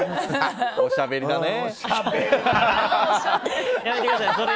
おしゃべりだなー。